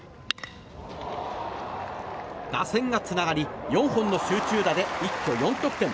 打線がつながり４本の集中打で一挙４得点。